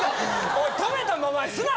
おい止めたままにすな！